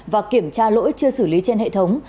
và kiểm tra lỗi chưa xử lý trên hệ thống